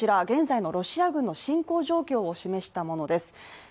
現在のロシア軍の侵攻状況を示したものです。